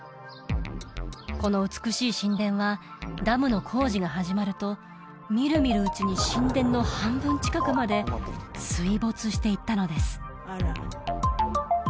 この美しい神殿はダムの工事が始まるとみるみるうちに神殿の半分近くまで水没していったのです